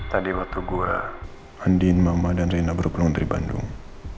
tadi waktu gue mandiin mama dan rina berkelundari bandung